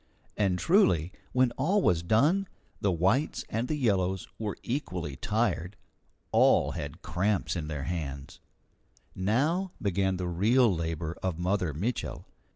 And truly, when all was done, the whites and the yellows were equally tired. All had cramps in their hands. Now began the real labour of Mother Mitchel.